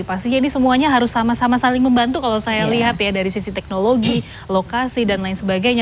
pastinya ini semuanya harus sama sama saling membantu kalau saya lihat ya dari sisi teknologi lokasi dan lain sebagainya